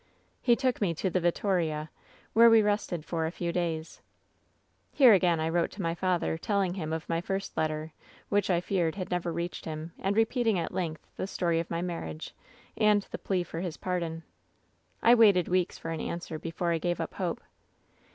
"He took me to the 'Vittoria/ where we rested for a few days. "Here again I wrote to my father, telling him of my first letter, which I feared had never reached him, and repeating at length the story of my marriage, and the plea for his pardon. "I waited weeks for an answer before I gave up hope.